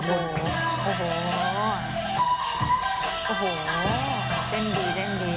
เต้นดี